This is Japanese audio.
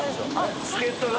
助っ人だ。